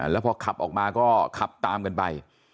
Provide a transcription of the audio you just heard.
แล้วพอขับออกมาก็ขับตามกันไป